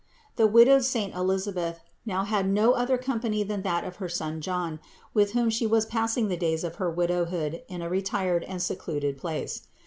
The widowed saint Elisa 578 CITY OF GOD beth now had no other company than that of her son John, with whom she was passing the days of her widowhood in a retired and secluded place.